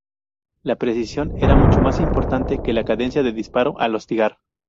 La precisión era mucho más importante que la cadencia de disparo al hostigar.